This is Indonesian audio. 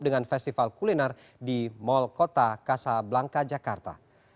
dengan festival kuliner di mal kota kasablangka jakarta